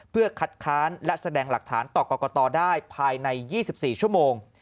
เพื่อคัดค้านและแสดงหลักฐานต่อกรกตได้ภายใน๒๔ชั่วโมง